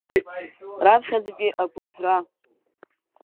Раԥхьаӡатәи агәыӡра!